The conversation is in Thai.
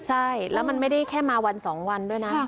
ใช่แล้วมันไม่ได้แค่มาวัน๒วันด้วยนะ